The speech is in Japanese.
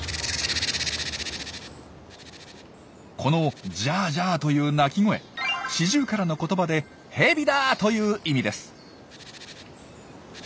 この「ジャージャー」という鳴き声シジュウカラの言葉で「ヘビだ」という意味です。